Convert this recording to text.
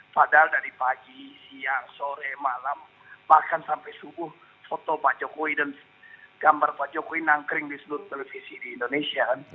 padahal dari pagi siang sore malam bahkan sampai subuh foto pak jokowi dan gambar pak jokowi nangkering di seluruh televisi di indonesia